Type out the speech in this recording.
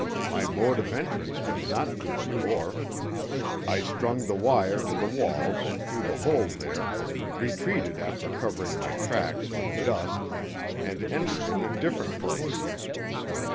My mode of entrance was not through the door. I strung the wire to the wall and through the hole there, retreated after covering my tracks with dust, and entered in a different place.